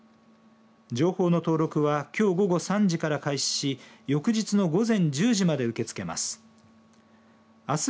情報の登録はきょう午後３時から開始し翌日の午前１０時まで受け付けます。